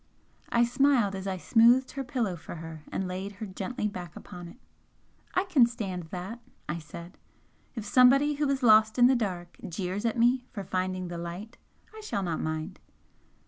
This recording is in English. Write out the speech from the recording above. I smiled as I smoothed her pillow for her and laid her gently back upon it. "I can stand that!" I said "If somebody who is lost in the dark jeers at me for finding the light, I shall not mind!"